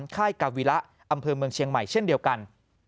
ค่ายกาวิระอำเภอเมืองเชียงใหม่เช่นเดียวกัน